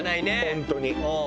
本当に。